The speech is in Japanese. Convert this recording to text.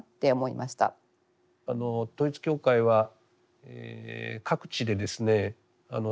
統一教会は各地でですね